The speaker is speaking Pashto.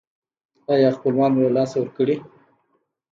ایا خپلوان مو له لاسه ورکړي؟